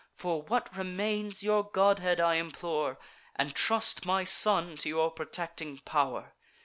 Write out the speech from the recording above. For what remains, your godhead I implore, And trust my son to your protecting pow'r.